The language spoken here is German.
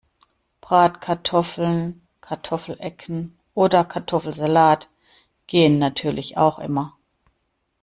Bratkartoffeln, Kartoffelecken oder Kartoffelsalat gehen natürlich auch immer.